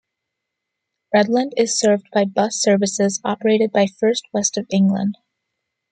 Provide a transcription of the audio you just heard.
Redland is served by bus services operated by First West of England.